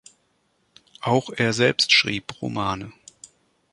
Auch er selbst schrieb Romane.